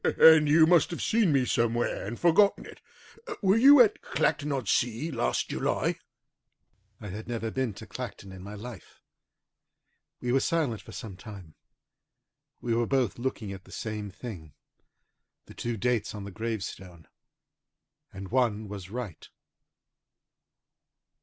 "And you must have seen me somewhere and have forgotten it! Were you at Clacton on Sea last July?" I had never been to Clacton in my life. We were silent for some time. We were both looking at the same thing, the two dates on the gravestone, and one was right.